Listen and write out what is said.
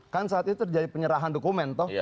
kan saat itu terjadi penyerahan dokumen toh